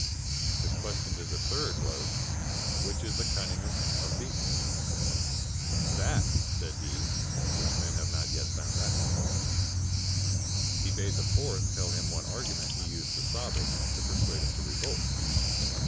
His question to the third was, "Which is the cunning est of beasts? "" That," said he, " which men have not yet found out." He bade the fourth tell him what argument he used 89 INDIA to Sabbas to persuade him to revolt.